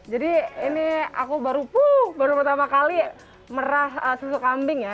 jadi ini aku baru pertama kali merah susu kambing ya